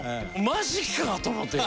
「マジか！」と思って。